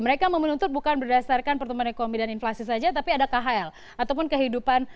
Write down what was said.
mereka menuntut bukan berdasarkan pertumbuhan ekonomi dan inflasi saja tapi ada khl ataupun kehidupan